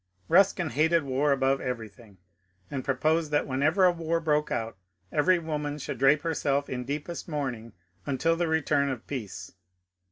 Buskin hated war above everything, and proposed that whenever a war broke out every woman should drape herself in deepest mourning until the return of peace.